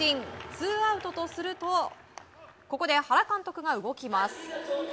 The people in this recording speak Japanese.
ツーアウトとするとここで原監督が動きます。